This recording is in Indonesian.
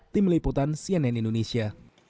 tim liputan cnn indonesia